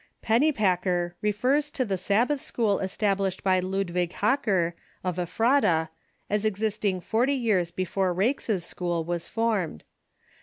Pennypacker refers to the Sabbath school established by Ludwig Hacker, of E])hrata, as existing forty years before Raikes's school was founded.